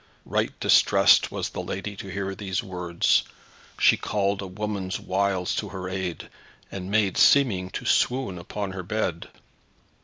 Right distressed was the lady to hear these words. She called a woman's wiles to her aid, and made seeming to swoon upon her bed.